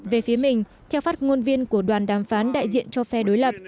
về phía mình theo phát ngôn viên của đoàn đàm phán đại diện cho phe đối lập